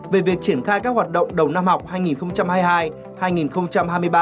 về việc triển khai các hoạt động đầu năm học hai nghìn hai mươi hai hai nghìn hai mươi ba